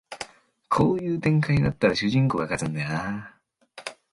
こういう展開になったら主人公が勝つんだよなあ